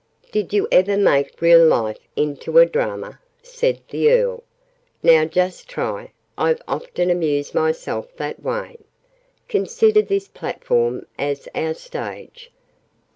"Did you ever make real life into a drama?" said the Earl. "Now just try. I've often amused myself that way. Consider this platform as our stage.